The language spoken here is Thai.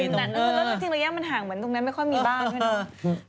แล้วจริงระยะมันห่างเหมือนตรงนั้นไม่ค่อยมีบ้านด้วยเนอะ